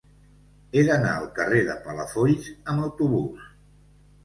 He d'anar al carrer de Palafolls amb autobús.